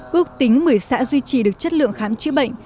ước tính một mươi xã duy trì được chất lượng khám chữa bệnh